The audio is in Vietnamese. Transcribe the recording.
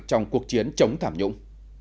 trong cuộc chiến chống thảm nhũng